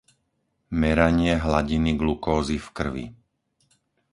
Meranie hladiny glukózy v krvi.